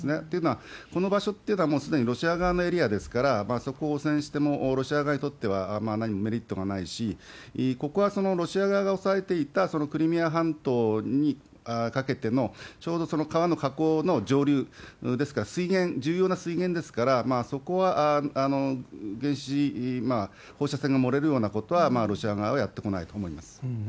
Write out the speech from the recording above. というのは、この場所ってのはもうすでにロシア側のエリアですから、そこを応戦しても、ロシア側にとっては何もメリットがないし、ここはそのロシア側が抑えていたクリミア半島にかけての、ちょうどその川の河口の上流、ですから、水源、重要な水源ですから、そこは放射線が漏れるようなことは、ロシア側はやってこないと思います。